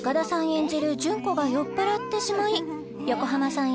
演じる順子が酔っ払ってしまい横浜さん